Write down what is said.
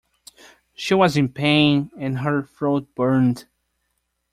She was in pain, and her throat burned.